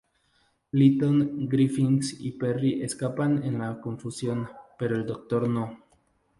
Lytton, Griffiths y Peri escapan en la confusión, pero el Doctor no.